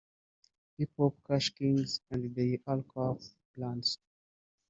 “Hip Hop cash kings and their alcohol brands”